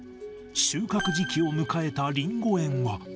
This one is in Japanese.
収穫時期を迎えたリンゴ園は。